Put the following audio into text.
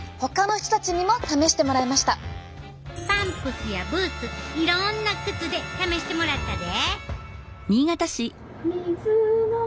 パンプスやブーツいろんな靴で試してもらったで！